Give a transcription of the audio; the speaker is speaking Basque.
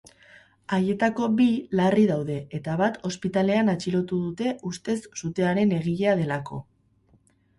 Haietako bi larri daude eta bat hospitalean atxilotu dute ustez sutearen egilea delako.